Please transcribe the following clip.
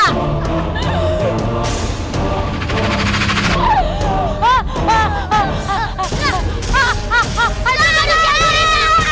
aduh manusia gurita